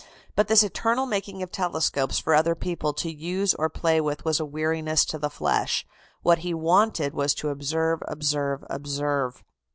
But this eternal making of telescopes for other people to use or play with was a weariness to the flesh. What he wanted was to observe, observe, observe.